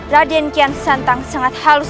raden kian santang sangat halus